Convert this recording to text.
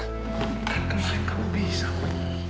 kan kenal kamu bisa bunyi